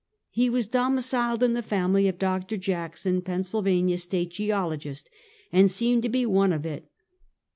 He was domiciled in the family of Dr. Jackson, Pennsylvania State Geologist, and seemed to be one of it.